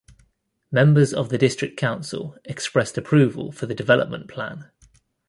Members of the district council expressed approval of the development plan.